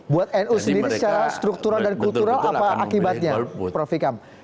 buat nu sendiri secara struktural dan kultural apa akibatnya prof ikam